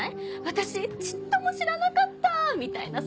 「私ちっとも知らなかった！」みたいなさ。